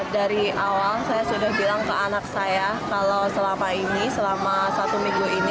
dari awal saya sudah bilang ke anak saya kalau selama ini selama satu minggu ini